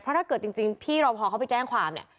ถ้าเกิดจริงพี่รอพอเขาไปแจ้งความเนี่ย